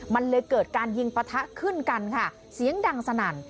มันเลยเกิดการยิงปะทะขึ้นกันค่ะเสียงดังสนั่น